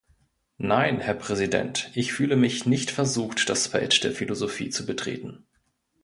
Nein, Herr Präsident, ich fühle mich nicht versucht, das Feld der Philosophie zu betreten.